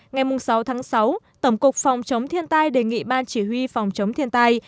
ngày sáu tháng sáu tổng cục phòng chống thiên tai đề nghị ban chỉ huy phòng chống thiên tai